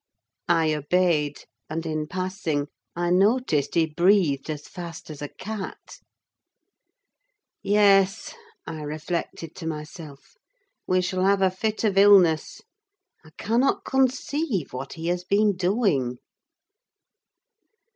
I obeyed: and, in passing, I noticed he breathed as fast as a cat. "Yes!" I reflected to myself, "we shall have a fit of illness. I cannot conceive what he has been doing."